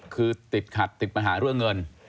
คือติดขัดติดปัญหาเรื่องเงิน